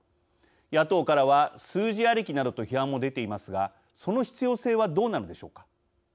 野党からは数字ありきなどと批判も出ていますがその必要性はどうなのでしょうか。